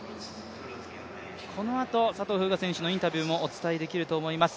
このあと佐藤風雅選手のインタビューもお伝えできると思います。